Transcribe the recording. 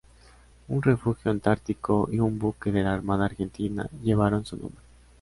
Un refugio antártico y un buque de la Armada Argentina llevaron su nombre.